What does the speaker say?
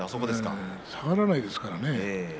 下がらないですからね。